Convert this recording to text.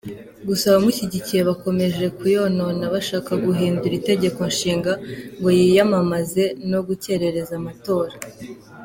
Gusa abamushyigikiye bakomeje kuyonona bashaka guhindura itegeko nshinga ngo yiyamamaze no gukerereza amatora.